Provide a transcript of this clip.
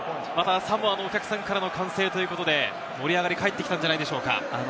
サモアのお客さんからの歓声ということで、盛り上がり、かえってきたんじゃないでしょうか。